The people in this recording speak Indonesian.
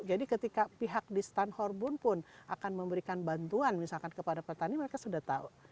jadi ketika pihak di stand horbun pun akan memberikan bantuan misalkan kepada petani mereka sudah tahu